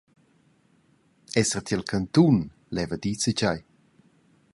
Esser tier il cantun leva dir zatgei.